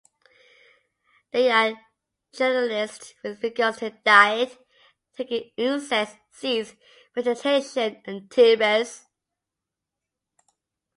They are generalists with regards to their diet, taking insects, seeds, vegetation and tubers.